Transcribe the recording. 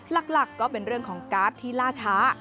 หลักก็เป็นเรื่องของการ์ดที่ล่าช้า